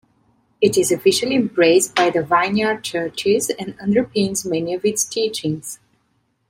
It is officially embraced by the Vineyard Churches, and underpins many of its teachings.